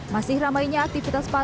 masih ramainya aktivitas pasar